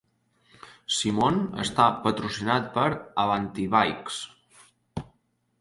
Simon està patrocinat per Avanti Bikes.